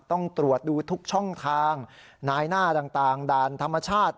ต้องตรวจดูทุกช่องทางนายหน้าต่างด่านธรรมชาติ